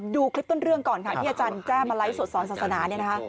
ดูคลิปต้นเรื่องก่อนครับที่อาจารย์แก้มาไล่โสดสอนศาสนา